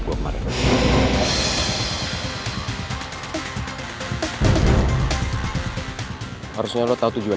loh berani nantang gotta